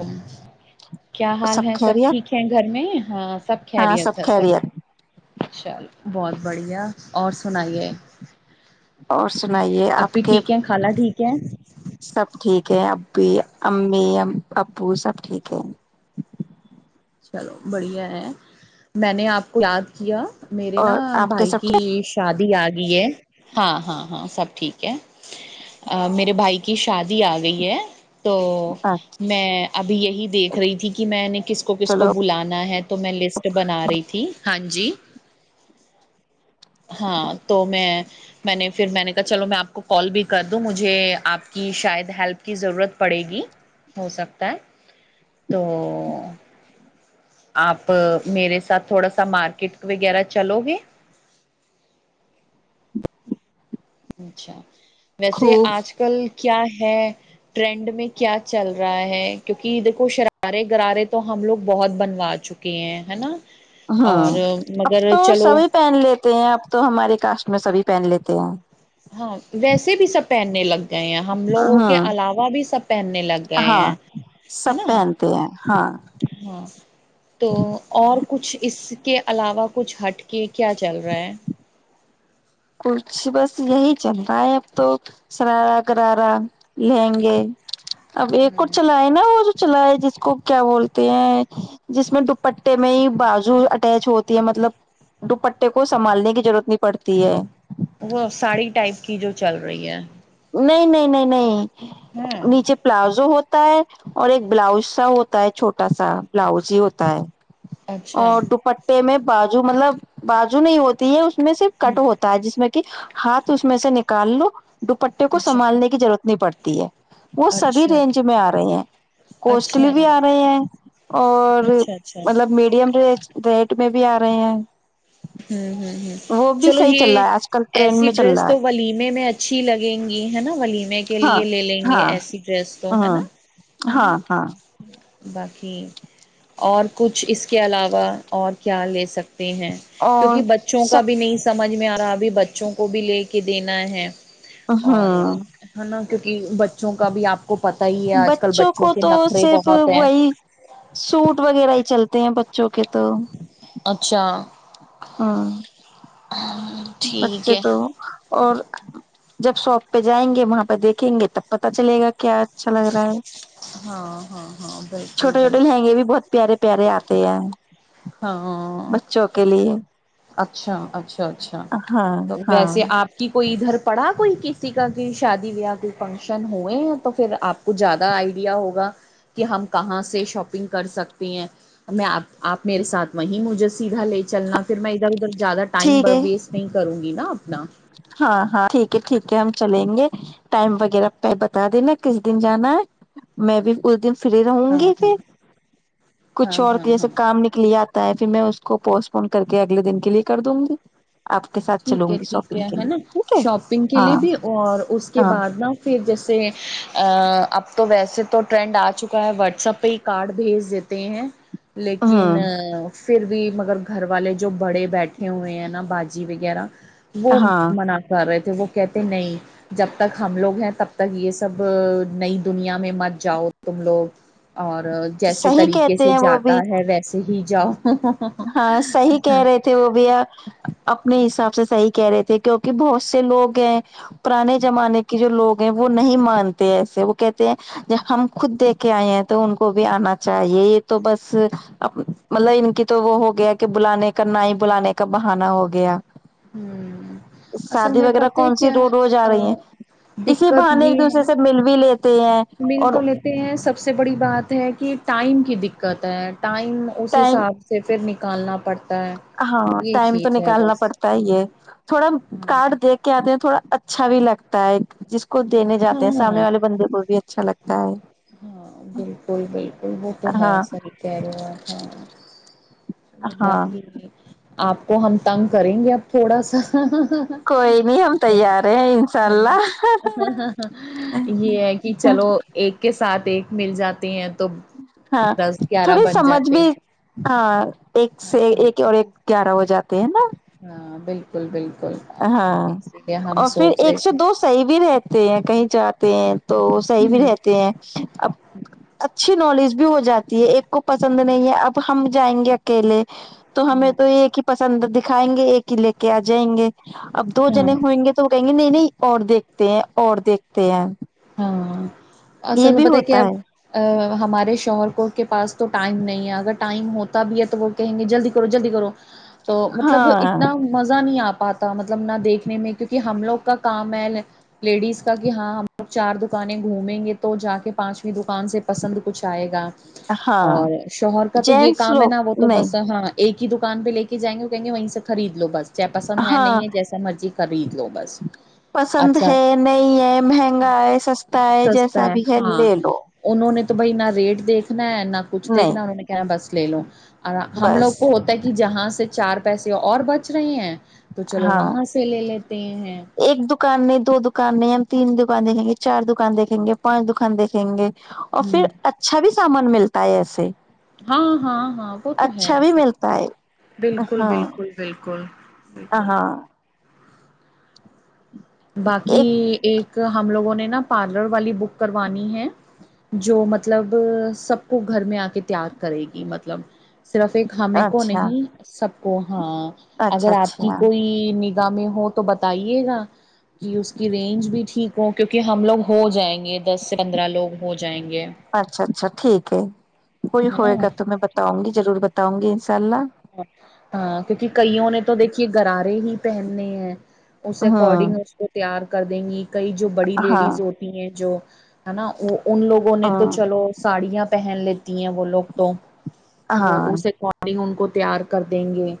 ہی [inaudible] کیا حال ہے سب ٹھیک ہے گھر میں ہاں سب ہاں خیریت سر سب خیریت چل بہت بڑھیا اور سنائیے اور سنائیے آپ اپی کے ٹھیک ہیں خالہ ٹھیک ہے سب ٹھیک ہے اب ا امی وہ سب ٹھیک ہے [unintelligible] چلو بڑھیا ہے میں نے آپ کو یاد کیا [unintelligible] میرے نا اور آپ کے بھائی سب کی ٹھیک شادی آ گئی ہے ہاں ہاں ہاں سب [unintelligible] ٹھیک ہے میرے بھائی کی شادی آ گئی ہے [unintelligible] تو میں ابھی یہی دیکھ رہی تھی کہ میں نے کس کو کس چلو [unintelligible] بلانا ہے [unintelligible] تو میں لسٹ بنا رہی تھی [unintelligible] ہاں جی [unintelligible] ہاں تو میں [unintelligible] میں نے پھر میں نے کہا چلو میں آپ کو کال بھی کر دوں مجھے آپ کی شاید ہیلپ کی ضرورت پڑے گی ہو سکتا ہے تو آپ میرے ساتھ تھوڑا سا مارکیٹ وغیرہ چلو گے ج [inaudible] اچھا ویسے خوب آج کل کیا ہے [unintelligible] ہے ٹرینڈ میں کیا چل رہا ہے کیونکہ دیکھو شرارے غرارے تو ہم لوگ بہت بنوا چکے ہیں ہے نا [unintelligible] اور ہوں اب مگر تو چلو سبھی پہن لیتے ہیں اب تو ہمارے کاسٹ میں سبھی پہن لیتے ہیں [unintelligible] ہاں ویسے بھی سب پہننے لگ [unintelligible] گئے ہیں ہم لوگوں کے ہاں علاوہ بھی سب پہننے لگ گئے ہاں ہیں سب نا پہنتے ہیں ہاں ہاں تو اور کچھ اس کے علاوہ [unintelligible] کچھ ہٹ کے کیا چل رہا ہے [unintelligible] کچھ بس یہی چل رہا ہے اب تو سرارا گارا لیں گے اب ایک ک ہ چلائے نا وہ جو چل ج [unintelligible] اس کو کیا بولتے ہیں جس میں دوپٹے میں ہی بازو اٹیچ ہوتی ہے مطلب دوپٹے کو سنبالنے کی ضرورت نہیں پڑتی ہے وہ ساڑی ٹائپ کی جو چل رہی ہے [unintelligible] نہیں نہیں نہیں نہیں [unintelligible] ہاں نیچے پلازو ہو [unintelligible] ہوتا ہے اور ایک بلاؤز سا ہوتا ہے چھوٹا سا بلاؤز ہی ہوتا ہے [unintelligible] اچھا اور ہ دوپٹے میں [unintelligible] بجو مطلب بجو نہیں ہوتی ہے اس [unintelligible] میں صرف کٹ ہوتا ہے جس میں [unintelligible] کہ ہاتھ اس میں سے نکال لو [unintelligible] دوپٹوں اچھا کونبالنے کی ضرورت [unintelligible] نہیں پڑتی ہے [unintelligible] وہ سبھی اچھا رینج میں آ رہے ہیں اچھا کوسٹلی بھی آ رہے ہیں اور اچھا اچھا مطلب میڈ ریٹ میں بھی آ رہے ہیں [unintelligible] ہوں ہوں وہ [unintelligible] بھی چلو صحیح چل یہ رہا ہے آج کل ٹرینڈ ایسی میں چل ڈریس رہا ہے تو ولیمے میں اچھی لگیں گی ہے نا ولیمے کے ہاں لیے لے لیں گے ہاں ایسی ڈریس تو ہے ہاں نا نا ہاں ہاں باقی اور کچھ اس کے علاوہ اور کیا لے سکتے ہیں اور کیونکہ بچوں کا بھی نہیں سمجھ میں آ رہا بچوں کو بھی لے کے دینا ہے اور ہوں ہ نا کیک بچ بچوں کو کے تو نخرے صرف بہت ہیں وہی سوٹ وغیرہ ہی چلتا ہیں بچوں کے تو اچھا ہوں ٹھیک بچے ہے تو اور جب شوپ پہ جائیں گے وہاں پہ دیکھیں گے تب پتا چلے گا کیا اچھا لگ رہا ہے ہاں ہاں ہاں بالکل چھوٹے چھوٹے بالکل لہنگے بھی بہت پیارے پیارے آتے ہیں ہاں بچوں کے لیے اچھا اچھاچھ اچھا ہاں تو ہاں ویسے آپ کی کوئی ادھر پڑا کوئی کسی کا کو شادی بیاہ کوئی فنکشن ہوئے تو پھر آپ آپ کو زیادہ آئیڈیا ہوگا کہ ہم کہاں سے شاپنگ کر سکتے ہیں میں آپ آپ میرے ساتھ وہیں مجھے سیدھا لے چلنا پھر میں ادھر ادھر زیادہ ٹائم ٹھیک ہے ویسٹ نہیں کروں گی نا نہ ہاں ہاں ٹھیک ہے ٹھیک ہے ہم چلیں گے ٹائم وغیرہ پ بتا دینا کس دن جانا ہے میں بھی اس دن فری رہوں ہاں گی ہاں پھر ہاں کچھ اور ہاں کے ج ہاں سب کام نکل آ تا پھر میں اس کو پوسٹپون کر کے اگلے دن کے لیے کر دوں گی آپ کے ساتھ چلوں گی سب کیا ہے نا شاپنگ کے لیے بھی اور اس کے ہاں بعد نا پھر جیسے اب تو ویسے تو ٹرینڈ آ چکا ہے واٹسپ پہ ہی کارڈ بھیج دیتے ہیں لیکن ہوں پھر بھی مگر گھر والے جو بڑے بیٹھے ہوئے ہیں نا باج جی وغیرہ وہ ہاں منع کر رہے تھے وہ کہتے نہیں جب تک ہم لوگ ہیں تب تک یہ سب نئی دنیا میں مت جاؤ تم لوگ اور جیسے صحیح طریقے کہتے سے ہیں وہ بھی جاتا ہے ویسے ہی جاؤ ہاں صحی کہہ رہے تھے وہ بھی اپنے حساب سب سے صحیح کہہ رہے تھے کیوںکہ بہت سے لوگ ہیں پرانے زمانے کے جو لوگ ہیں وہ نہیں مانتے ایسے وہ کہتے ہیں ج ہم خود دیک کے آئے ہیں تو ان کو بھی آنا چاہیے یہ تو بس مطلب ان کی تو وہ ہو گیا کہ بلانے کا نہ ہی بلانے کا بہانا ہو گیا ہوں اصل شادی میں وغیرہ پتہ ہے کون سی کیا رو رو ج آ رہی ہیں اسی دقت بہان یہ ایک ہے دوسرے نا سے مل بھی لیتے ہیں مل تو اور لیتے ہیں سب سے بڑی بات ہے کہ ٹائم کی دقت ہے ٹائم اس ٹائم حساب سے پھر نک نکالنا پڑتا ہے ہاں یہ ٹائم تو چیز ہے نکالنا بس پڑتا ہے یہ تھوڑا ہاں کارڈ دیکھ کے آتے ہیں تھوڑا اچا اچھا بھی لگتا ہے ایک جس کو دینے جاتے ہیں سامنے ہاں والے بندے کو بھی اچھا لگتا ہے ہاں بالکل بالکل وہ تو ہاں ہےسح کہہ رہا تھا ہاں باقی آپ کو ہم تنگ کریں گے اب تھوڑا سا کوئی نہیں ہم ٹھیک ہے تیار ہیں انشاء ہے نا اللہ یہ ہے کہ چلو ایک کے ایک مل جات ہیں تو ہاں دس گیارہ تھوڑی بن سمجھ جاتے بھی ہیں ہاں ایک ہے سے نا ایک اور ایک گیارہ ہوج ہاں بالک بل بھ ہاں اور پھر رہے ایک سے تھے دو صیح بھی رہتے ہیں کہیں چاہتے ہیں تو صحی بھی ہ رہتے ہیں اب اچھی نالج بھی ہو جاتی ہے ایک کو پسند نہیں ہے اب ہم جائیں گے اکیلے تو ہمیں ہ تو یہ ہی پسند د ھائیں گے ایک ہی لے کے آ جائیں گے اب دو ہاں جنے ہوئیں گے تو وہ کہیں گے نہیں نہیں اور دیکھتے ہیں اور دیکھتے ہیں ہاں یہ اصل میں بھی پت ہے کہ ہوتا اب ہمارے شوہر کو کے پاس تو ٹائم نہیں ہے اگر ٹائم ہوتا بھی ہے تو وہ کہیں گے جلدی کرو جلدی کرو تو مطلب اتنا ہاں مزہ نہیں آپتا پاتا مطلب نہ دیکھنے میں کیونکہ ہم لوگ کا کام ہے لیڈیز کا کہ ہاں آ چار دکانیں گھومیں گے تو جا کے پانچویں دکان سے پسند کچھ آئے گا ہاں اور شوہر کا تو یہ جینٹس کام ہے نا وہ لوگ تو نہیں بس ہاں ایک کی دکانہ لے کے جائیں گے وہ کہیں گے وہیں سے خرید لو بس چے پسند ہے ہاں نہیں ہے جیسا مرضی سریب پسند ہے نہیں ہے مہنگا مہنگا ہے سستا ہے سستا جیسا بھی ہے ہاں لے لو انہوں نے تو بھائینا ریٹ دیکنا ہے نہ کچھ نہیں دیکھنا انہوں نے کہنا بس لے لو اور ہم لوگ بس کو ہوتا ہے کہ جہاں سے چار پیسے اور بچ رہے ہیں تو چلو ہاں وہاں سے لے لیتے ہیں ایک دکان نے دو دکان نے ہم تین د دکان دیکیں گے چار دکان دیکیں گے پانچ دکان دیکھیں گے اور پھر ہوں اچھا بھی سامان ملتا تائ آس ہاں ہاں ہاں وہ تو بھی ہےسی ملتا ہے بالکل بالکل بالکل ہ بالکل ہاں باقی ایک ایک ہم لوگوں نے نا پارلر والی بک کروانی ہے جو مطلب سب کو گھر میں آ کے تیار کرے گی مطلب صرف ایک ہمیں کو اچھا نہیں سب ا [inaudible] ہاں اچھا اگر آپ اچھا کی کوئی گ میں ہو تو بتائیے گا کہ اس کی رینج بھی ٹھیک ہو کیونکہ ہم لوگ ہو جائیں گے دس سے پندرہ لوگ ہو جائیں گے اچھا اچھا ٹھیک ہے کوئی ہے ہوئے نا گا تو میں بتاؤں گی ضرور ب تو گی شاء اللہ ہاں کیونکہ کئیوں نے تو دیکھ کہ گرارے ہی پہننے ہیں اس ہوں اکارڈنگ اس کو تیار کر دیں گی کئی جو بڑی ہاں لیڈیز ہوتی ہیں جو ہے نا ان لوگوں نے تو ہاں چلو ساڑیاں پہن لیتی ہیں وہ لوگ تو وہ ہاں اس اکارڈنگ ان کو [unintelligible] تیار کر دیں گے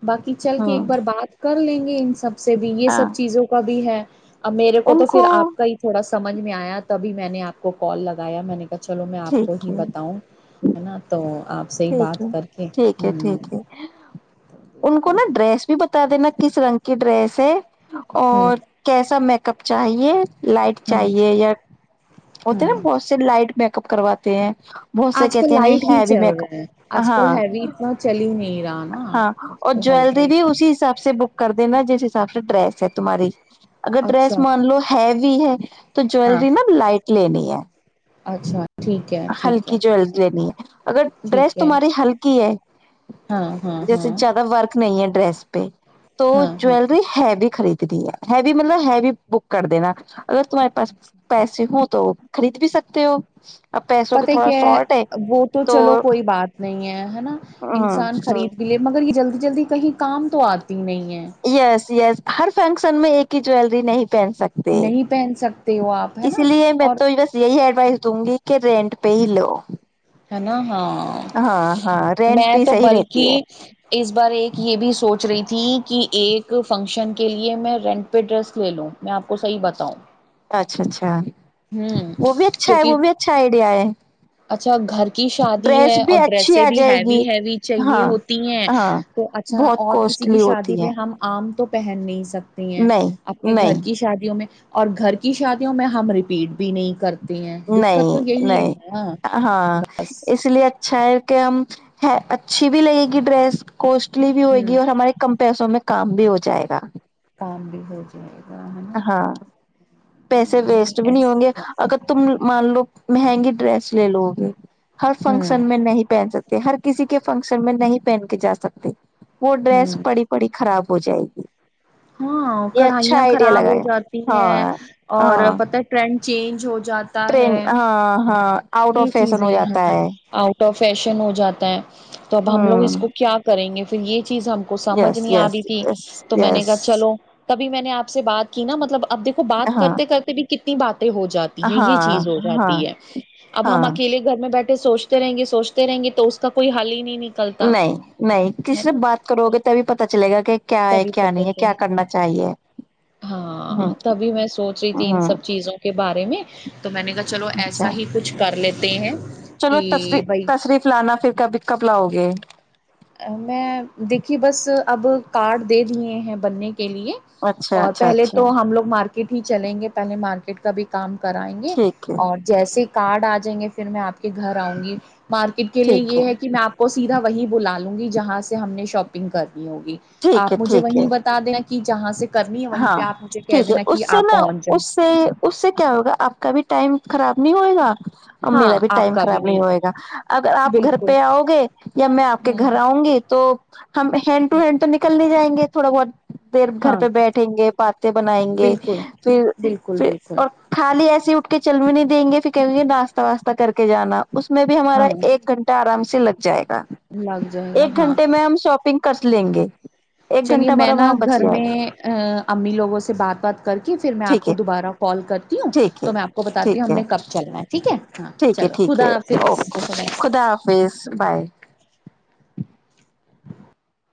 [unintelligible] باقی چل کے ایک ہوں بار بات [unintelligible] کر لیں گے ان [unintelligible] سب سے بھی یہ ہاں سب چیزوں کا بھی ہے [unintelligible] ا میرے کو تو پھر آپ کا ہی تھوڑا سا [unintelligible] سمجھ میں آیا تبھی میں نے آپ کو کال لگایا میں نے [unintelligible] چلو میں آپ کو ٹھیک ہی ہے بتاؤں ہے نا تو آپ [unintelligible] سےحی ٹھیک بات ہے کر کے ٹھیک ہ ہے [unintelligible] ٹھیک ان کو نا ڈریس بھی بتا دینا [unintelligible] کس رنگ کی ڈریس ہے [unintelligible] ہ ہ اور کیسا میں [unintelligible] کب چاہیے [unintelligible] لائٹ ہوں چاہیے یا ہوتے نا ہوں بہت سےی لائٹ میں [unintelligible] اپ کرواتے ہیں [unintelligible] بہت سےے آج کل کہتی ہیں نہیں لائٹ ہی ہے بھی چل میںیک رہا ہے [unintelligible] آج کل ہےوی اتنا چلی ہی نہیں [unintelligible] ہاں آج اور کل ہلکا جیلری ہی بھی اسی حساب سے بک کر [unintelligible] د نا جس حساب سے ڈریس ہے تمہاری [unintelligible] اگر اچھا ڈرریس مان لو ہیوی [unintelligible] بھی ہے [unintelligible] تو ج ہاں جویلری میں لائٹ [unintelligible] لین ہے [unintelligible] اچھا [unintelligible] ہے ٹھیک ہے ہلکی جویلز لینی ہے [unintelligible] اگر ڈریس ٹھیک ہے تمہاری ہلکی ہے ہاں ہاں جیسے ہاں زیادہ ورک نہیں ہے ڈریس [unintelligible] پے [unintelligible] تو ہاں ہاں جیلری ہے بھی خرید [unintelligible] ہیو مطلب ہیو بک کرتے نا [unintelligible] اگر تمہارے پاس اچھا پیسے ہوں [unintelligible] تو خرید بھی سکتے ہو [unintelligible] کی پتا تھوڑا کیا ہے شارٹ وہ تو چلو کوئی بات نہیں ہے ہے نا ہوں انسان ہوں خرید کے لے مگر جلدی جلدی کہیں کام تو آتی نہیں ہے یس یس ہر فنکشن میں ایک ہی جیلری نہیں پہن سکتے نہیں پہن سکتے ہو آپ ہے اس نا لیے میں اور تو بس یہی ایڈوائس دوں گی کہ رینٹ پہ لو ہے نا ہاں ہاں ہاں رینٹ میں پہ تو صحیح رہتی ہے بلکہ اس بار ایک یہ بھی سوچ پچ رہی تھی کہ ایک فنکشن کے لیے میں رینٹ پہ ڈریس لے لوں میں آپ کو صحی بتاؤں اچھا اچھا ہوں وہ بھی اچھا ہے کیونکہ وہ بھی اچھا آئیڈیا ہے اچھا گھر کی شادی ڈریس ہے بھی اور اچھی ڈریسیں آ بھی جائے ہیوی گی ہیوی چاہیے ہاں ہوتی ہیں ہاں تو اچھا بہت اور کسی کی کوسٹلی شادی ہوتی ہے میں ہم آم تو پہن نہیں سکتا ہیں نہیں اپنے گھر نہیں کی شادیوں میں اور گھر کی شادیوں میں ہم رپیٹ بھی نہیں کرتے تی ہیں دقت تو نہیں یہی ہے نہیں ن ہاں اس لیے اچھا ہے کہ ہم ہے اچھی بھی لگے گی ڈریس کوسٹلی بھی ہوئے گی ہوں اور ہمارے کم پیسوں میں کام بھی ہو جائے گا [inaudible] ف بھی ہے جائے گا نا ہاں پیسے میں ویسٹ بھی نہیں ہوں ایسا گے کرتی اگر تم مان لو مہنگی ڈریس لے لو گے ہر ہوں فنکشن میں نہیں پہن سکتے ہر کسی کے فنکشن میں نہیں پہن کے جا سکتے وہ ڈریس ہوں پڑی پڑی خراب ہو جائے گی ہاں یہ اچھا کڑھائیاں آئیڈیا خراب ہو لگایا جاتی ہیں ہاں اور ہاں پت چینج ہو جاتا ٹرین ہے ہاں ہاں آؤٹ یہ آف فیشن ہو چیزیں جاتا ہے آؤٹ آف فیشن ہو جاتا ہے تو اب ہم لوگ اس ہوں کو کیا کریں گے [inaudible] تو یہ [inaudible] چیز ہم کو سمجھ یس نہیں آ یس رہی تھی یس تو میں نے یس کہا کبھی میں نے آپ سے بات کی نا مطلب اب دیکھو بات ہاں کرتے کرتے بھی ک [unintelligible] بات [unintelligible] ہو جاتی ہے یہ ہاں چیز ہو ہاں جاتی ہے اب ہاں ہم اکیلے گھر میں بیٹھے [unintelligible] سوچتے رہیں گے سوچتے رہیں گے تو اس کا کوئی حل ہی نہیں [unintelligible] نہیں نہیں ک ہے صرف نا بات کرو گے تبھی پتا چلے گا کہ کیا ہے تبھی کیا پتہ نہیں ہے کیا چلا کرنا چاہیے ہ ہاں تبھی میں سوچ رہی تھی ان ہ سب چیزوں کے بارے میں [unintelligible] ہ [unintelligible] اچھا ہیں چلو کہ بھائی تشریف لانا پھر کبھی کب لاؤ گے [unintelligible] میں دیکھی بس اب کارڈ دے دیے ہیں بننے کے [unintelligible] کے لیے اچھا اور اچھا پہلے اچھا تو ہم لوگ مارکیٹ ہی چلیں گے تو [unintelligible] پہلے مارکیٹ کا بھی کام [unintelligible] کرائیں گے ٹھیک ہے اور جیسے کارڈ آ جائیں گے پھر [unintelligible] پھر میں آپ کے گھر آؤں گی [unintelligible] مارکیٹ کے لیے یہ ہے کہ میں آپ کو سیدھا [unintelligible] وہی بلا [unintelligible] ہوں گی جہاں سے ہم نے شاپنگ کر [unintelligible] ہوگی ٹھیک ہے آپ مجھے ٹھیک وہیں ہے بتا دیں کہ [unintelligible] کہ جہاں سے [unintelligible] ہاں پہ آپ مجھے کہہ ٹھیک ہے دینا اس کہ سے آپ نا پہنچ جائیں اس سے اس سے کیا ہوگا آپ کا بھی ٹائم [unintelligible] خراب نہیں ہوئے گا [unintelligible] ا ہاں میرا بھی آپ ٹائم کا خراب نہیں ہوئے گا اگر آپ گھر بالکل پہ آؤ گے یا میں آپ ہ کے گھر ہ آؤں گی تو ہم ہینڈ ٹو ہینڈ تو نکل نہیں جائیں گے تھوڑا بہت [unintelligible] پھر گھر ہاں پہ بیٹھ [unintelligible] پات بنائیں گے بالکل پھر بالکل پھر بالکل اور خالی ایس [unintelligible] اٹھ کے چل بھی نہیں دیں گے پ کہیں گے ناشہ واسہ کر کے جانا [unintelligible] اس میں بھی ہمارا ہاں ایک گھنٹہ آرام سے [unintelligible] سے لگ جائے گا [unintelligible] لگ جائے گا ایک ہاں گھنٹے میں ہم شاپنگ [unintelligible] کر لیں گے [unintelligible] چلیے گھنٹہ میں ہمارا نا وہاں بچ گھر جائے گا میں ا امی لوگوں سے بات بات کر کے پھر میں ٹھیک آپ ہے کو دوبارہ کال کرتی ہوں ٹھیک ہے تو میں آپ کو بتاتی ٹھیک ہوں ہم ہے نے کب چلنا ہے ٹھیک ہے [unintelligible] ٹھیک ہے چلو ٹھیک ہے خدا حافظ اوکے خدا حافظ بائے